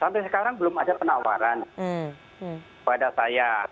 sampai sekarang belum ada penawaran kepada saya